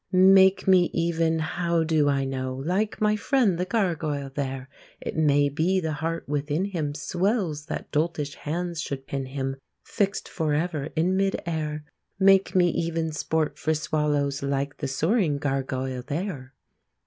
Make me even (How do I know?) Like my friend the gargoyle there; It may be the heart within him Swells that doltish hands should pin him Fixed forever in mid air. Make me even sport for swallows, Like the soaring gargoyle there!